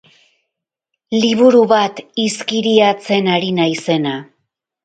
Liburu bat, izkiriatzen ari naizena.